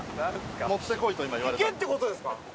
弾けってことですか？